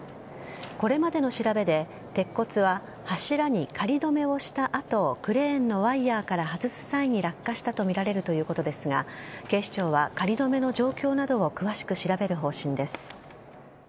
これまでの調べで鉄骨は、柱に仮止めをした後クレーンのワイヤーから外す際に落下したとみられるということですが警視庁は仮止めの状況などを詳しく調べる方針です。